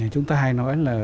chúng ta hay nói là